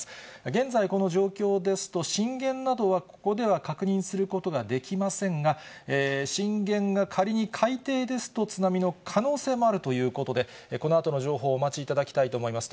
現在、この状況ですと、震源などはここでは確認することができませんが、震源が仮に海底ですと、津波の可能性もあるということで、このあとの情報をお待ちいただきたいと思います。